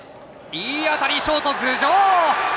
いい当たり、ショートの頭上。